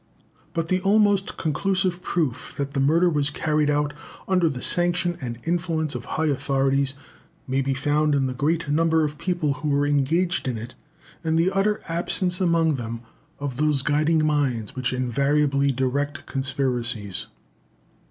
But the almost conclusive proof that the murder was carried out under the sanction and influence of high authorities, may be found in the great number of people who were engaged in it, and the utter absence among them of those guiding minds which invariably direct conspiracies.